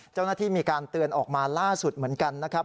เจ้าหน้าที่มีการเตือนออกมาล่าสุดเหมือนกันนะครับ